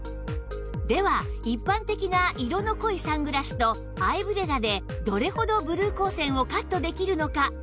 では一般的な色の濃いサングラスとアイブレラでどれほどブルー光線をカットできるのか？